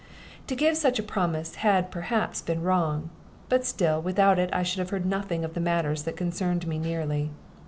To give such a promise had perhaps been wrong, but still without it I should have heard nothing of matters that concerned me nearly.